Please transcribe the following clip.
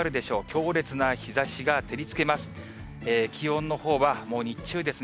強烈な日ざしが照りつけます。